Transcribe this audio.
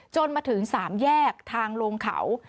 จนมาถึง๓แยกทางลงเขา